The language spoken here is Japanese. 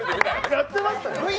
やってましたよ。